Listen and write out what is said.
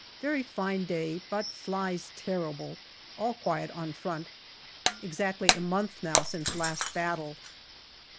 Very fine day, but flies terrible. All quiet on front. Exactly a month now since last battle.